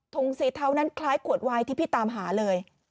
สีเทานั้นคล้ายขวดวายที่พี่ตามหาเลย